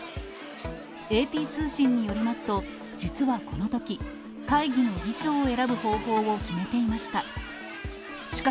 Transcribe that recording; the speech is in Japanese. ＡＰ通信によりますと、実はこのとき、会議の議長を選ぶ方法を決めていました。